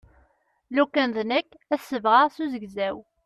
Lukan d nekk ad t-sebɣeɣ s uzegzaw.